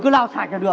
cứ lau sạch là được